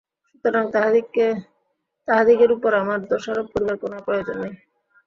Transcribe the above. সুতরাং তাহাদিগের উপর আমার দোষারোপ করিবার কোন প্রয়োজন নাই।